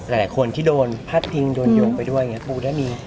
หลายคนที่โดนพัดพิงโดนโยงไปด้วยปูด้านนี้